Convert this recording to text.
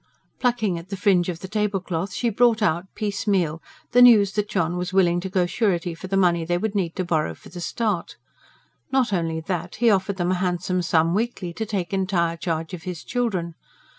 Plucking at the fringe of the tablecloth, she brought out, piecemeal, the news that John was willing to go surety for the money they would need to borrow for the start. Not only that: he offered them a handsome sum weekly to take entire charge of his children.